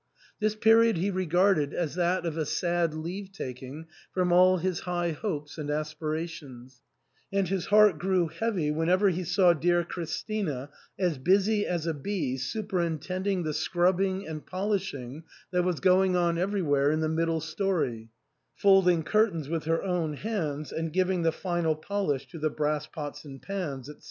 This period he regarded as that of a sad leave taking from all his high hopes and aspirations ; and his heart grew heavy whenever he saw dear Chris tina as busy as a bee superintending the scrubbing and polishing that was going on everywhere in the middle story, folding curtains with her own hands, and giving the final polish to the brass pots and pans, &c.